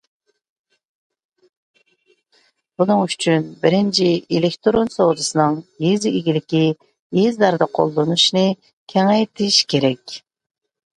بۇنىڭ ئۈچۈن، بىرىنچى، ئېلېكتىرون سودىسىنىڭ يېزا ئىگىلىكى، يېزىلاردا قوللىنىشىنى كېڭەيتىش كېرەك.